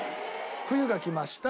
冬が来ました。